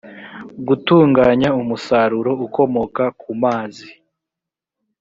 gutunganya umusaruro ukomoka ku mazi